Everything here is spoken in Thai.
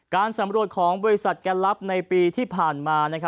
การสำรวจของบริษัทแกนลับในปีที่ผ่านมา